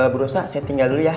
bu rosa saya tinggal dulu ya